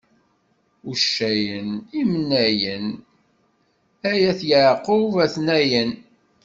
Uccayen, imnayen, ay at Yaɛqub a-ten-ayen!